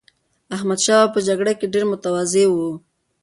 احمدشاه بابا په جګړه کې ډېر متواضع و.